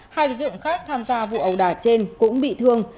hai sử dụng khác tham gia vụ ẩu đại trên cũng bị thương